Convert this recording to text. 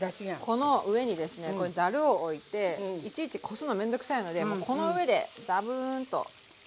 この上にですねざるを置いていちいちこすの面倒くさいのでもうこの上でザブーンと。